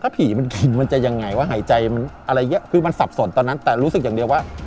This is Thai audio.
ผีมันแข็งมันจะยังไงว่าหายใจมันอะไรอย่างนี้คือมันสับสนตอนนั้นแต่รู้สึกอย่างเดียวว่า